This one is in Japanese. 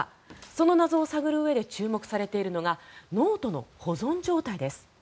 その謎を探るうえで注目されているのがノートの保存状態です。